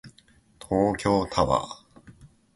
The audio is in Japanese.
東京タワー